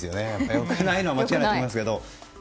良くないのは間違いないと思います。